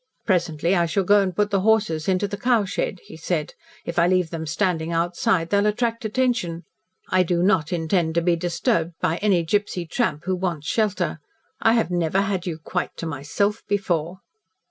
"Presently I shall go and put the horses into the cowshed," he said. "If I leave them standing outside they will attract attention. I do not intend to be disturbed by any gipsy tramp who wants shelter. I have never had you quite to myself before."